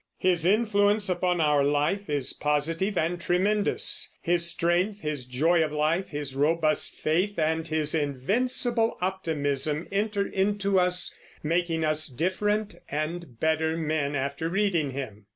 His influence upon our life is positive and tremendous. His strength, his joy of life, his robust faith, and his invincible optimism enter into us, making us different and better men after reading him.